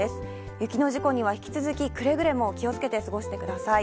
雪の事故には引き続き、くれぐれも気をつけて過ごしてください。